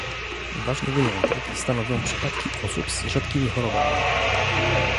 Ważny wyjątek stanowią przypadki osób z rzadkimi chorobami